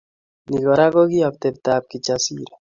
Ni Kora ko ki atebetab Kijasiri